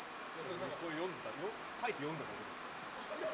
書いて読んだだけですから。